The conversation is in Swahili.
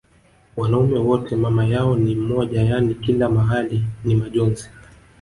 wanaume wote mamayao ni mmoja yani kila mahali ni majonzi